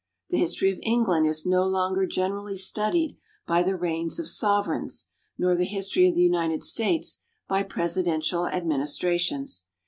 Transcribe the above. The history of England is no longer generally studied by the reigns of sovereigns, nor the history of the United States by presidential administrations.